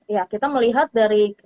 ya kita melihat dari